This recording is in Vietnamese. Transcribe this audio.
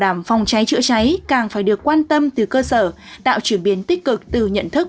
đảm phòng cháy chữa cháy càng phải được quan tâm từ cơ sở tạo chuyển biến tích cực từ nhận thức